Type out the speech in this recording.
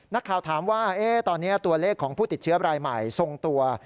นักข่าวถามว่าตอนนี้ตัวเลขของผู้ติดเชื้อรายใหม่ทรงตัว